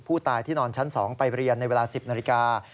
ผู้ตายที่นอนชั้น๒ไปเรียนในเวลา๑๐นาฬิกา